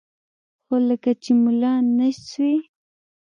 خو لکه چې ملا نه سوې.